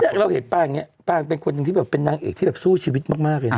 แล้วเราเห็นป้างแบบนี้ป้างเป็นคนที่เป็นนางเอกที่สู้ชีวิตมากเลยนะครับ